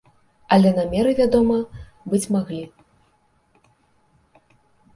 Але намеры, вядома, быць маглі.